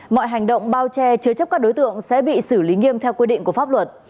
mọi hành động bao che chứa chấp các đối tượng sẽ bị xử lý nghiêm theo quy định của pháp luật